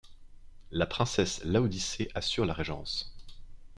La princesse Laodicé assure la régence.